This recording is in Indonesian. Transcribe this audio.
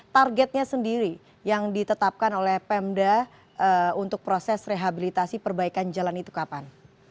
targetnya sendiri yang ditetapkan oleh pemda untuk proses rehabilitasi perbaikan jalan itu kapan